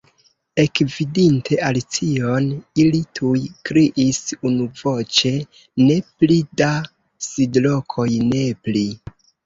Ekvidinte Alicion, ili tuj kriis unuvoĉe. "Ne pli da sidlokoj, ne pli!"